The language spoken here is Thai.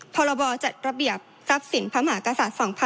พรบจัดระเบียบทรัพย์สินพมกศ๒๕๖๑